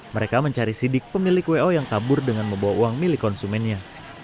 mereka mencari sidik pemilik wo yang kabur dengan membawa uang milik konsumennya